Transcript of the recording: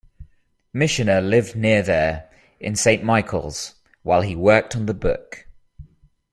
Michener lived near there, in Saint Michaels, while he worked on the book.